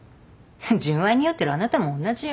純愛に酔ってるあなたもおんなじよ。